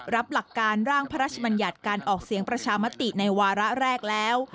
รับหลักการร่างพระราชบัญญัติการออกเสียงประชามติในวาระแรกแล้ว